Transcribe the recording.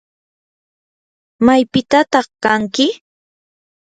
¿maypitataq kanki?